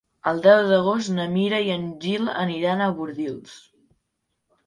El deu d'agost na Mira i en Gil aniran a Bordils.